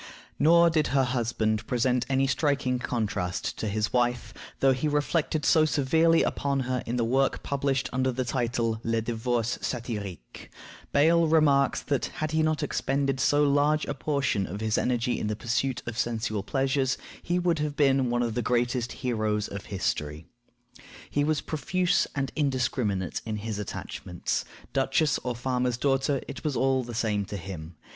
Nor did her husband present any striking contrast to his wife, though he reflected so severely upon her in the work published under the title Le divorce Satirique. Bayle remarks that, had he not expended so large a portion of his energy in the pursuit of sensual pleasures, he would have been one of the greatest heroes of history. He was profuse and indiscriminate in his attachments; duchess or farmer's daughter, it was all the same to him.